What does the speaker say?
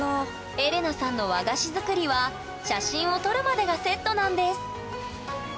エレナさんの和菓子作りは写真を撮るまでがセットなんです！